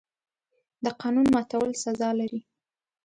د قانون ماتول سزا لري.